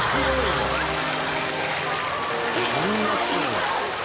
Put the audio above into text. こんな強い。